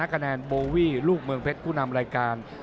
คะแนนโบวี่ลูกเมืองเพชรผู้นำรายการ